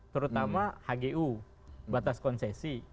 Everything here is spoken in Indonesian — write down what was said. terutama hgu batas konsesi